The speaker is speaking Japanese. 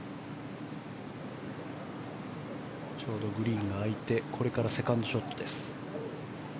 ちょうどグリーンが空いてこれからセカンドショットです。